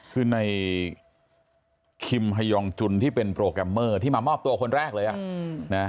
คือในคิมฮายองจุนที่เป็นโปรแกรมเมอร์ที่มามอบตัวคนแรกเลย